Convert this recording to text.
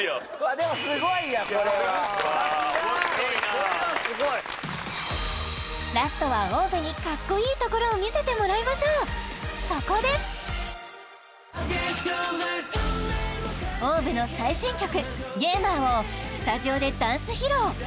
でもすごいやこれはさすがラストはＯＷＶにかっこいいところを見せてもらいましょうそこでＯＷＶの最新曲「Ｇａｍｅｒ」をスタジオでダンス披露